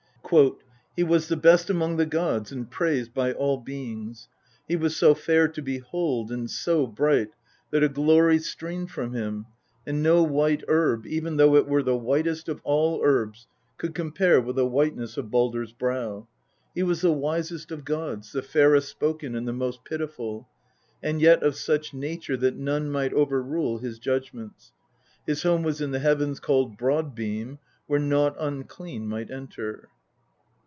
"He was the best among the gods, and praised by all beings. He was so fair to behold and so bright that a glory streamed from him, and no white herb, even though it were the whitest of all herbs, could compare with the. whiteness of Baldr's brow. He was the wisest of gods, the fairest spoken and the most pitiful, and yet of such nature that none might overrule his judgments. His home was in the heavens called Broad beam, where nought unclean might enter."